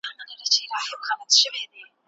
که تاسي انټرنيټ نلرئ نو کتاب ولولئ.